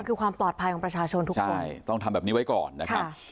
คือความปลอดภัยของประชาชนทุกคนใช่ต้องทำแบบนี้ไว้ก่อนนะครับ